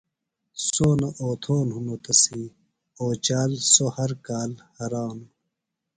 سونہ اوتھون ہنوۡ تسی، اوچال سوۡ ہر کال ہرانوۡ